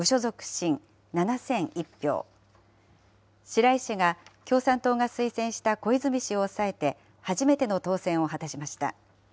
白井氏が共産党が推薦した小泉氏を抑えて、初めての当選を果たしました。